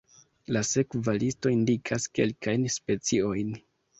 La sekva listo indikas kelkajn speciojn.